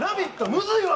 むずいわ。